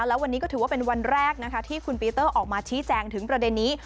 แล้ววันนี้ก็ถือว่าเป็นวันแรกนะคะที่คุณปีเตอร์ออกมาชี้แจงถึงประเด็นนี้